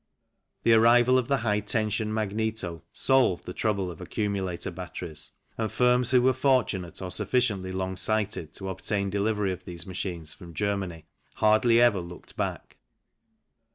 The arrival of the high tension magneto solved the trouble of accumulator batteries, and firms who were fortunate or sufficiently long sighted to obtain delivery of these machines from Germany, hardly ever looked back.